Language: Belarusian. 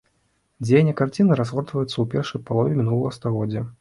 Дзеянне карціны разгортваецца ў першай палове мінулага стагоддзя.